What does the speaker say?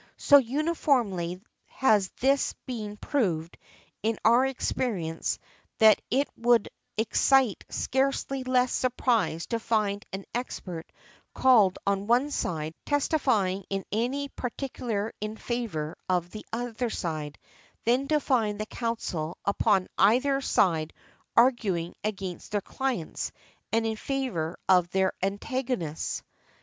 So uniformly has this been proved in our experience that it would excite scarcely less surprise to find an expert called on one side testifying in any particular in favor of the other side, than to find the counsel upon either side arguing against their clients and in favor of their antagonists" .